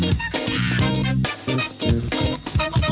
ข้าวใส่ไทยสอบกว่าใครใหม่กว่าเดิมค่อยเมื่อล่า